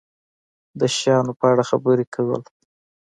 د شیانو په اړه خبرې کول